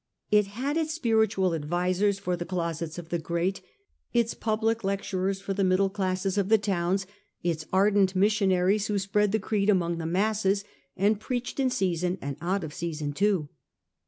It had its spiritual advisers for the closets of the great, its public lecturers for the middle classes of the towns, its ardent missionaries who spread the creed among the masses, and preached in season and out of season too.